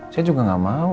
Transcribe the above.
saya juga gak mau